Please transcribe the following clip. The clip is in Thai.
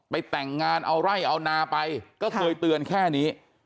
แต่งงานเอาไร่เอานาไปก็เคยเตือนแค่นี้